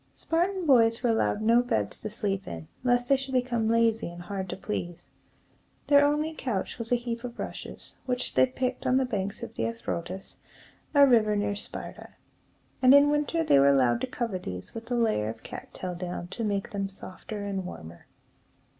Spartan boys were allowed no beds to sleep in, lest they should become lazy and hard to please. Their only couch was a heap of rushes, which they picked on the banks of the Eu ro´tas, a river near Sparta; and in winter they were allowed to cover these with a layer of cat tail down to make them softer and warmer.